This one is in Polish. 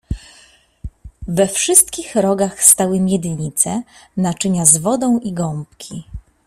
"We wszystkich rogach stały miednice, naczynia z wodą i gąbki."